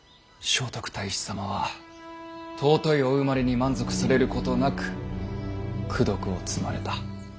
聖徳太子様は尊いお生まれに満足されることなく功徳を積まれた。